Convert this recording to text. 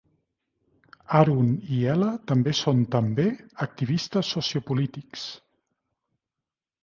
Arun i Ela també són també activistes sociopolítics.